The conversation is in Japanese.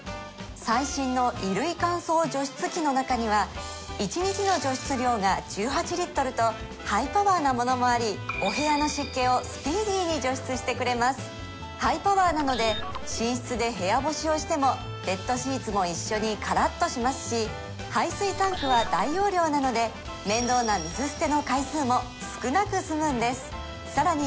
最新の衣類乾燥除湿機の中には１日の除湿量が１８リットルとハイパワーなものもありお部屋の湿気をスピーディーに除湿してくれますハイパワーなので寝室で部屋干しをしてもベッドシーツも一緒にカラッとしますし排水タンクは大容量なので面倒な水捨ての回数も少なく済むんですさらに